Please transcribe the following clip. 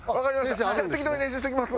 じゃあ適当に練習しときます。